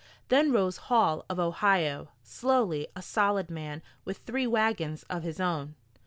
Then rose Hall of Ohio, slowly, a solid man, with three wagons of his own.